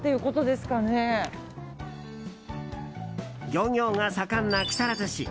漁業が盛んな木更津市。